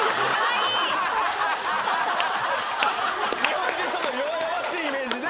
日本人ちょっと弱々しいイメージで。